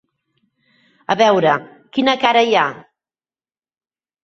A veure, quina cara hi ha?